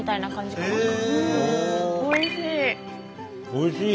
おいしい！